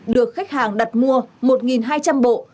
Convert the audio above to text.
được khách hàng đặt mua một hai trăm linh bộ